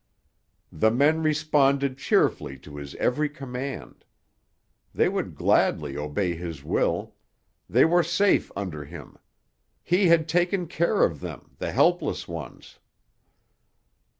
The men responded cheerfully to his every command. They could gladly obey his will; they were safe under him; he had taken care of them, the helpless ones.